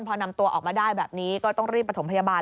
พอนำตัวออกมาได้แบบนี้ก็ต้องรีบประถมพยาบาล